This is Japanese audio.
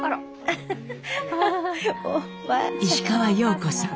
石川様子さん。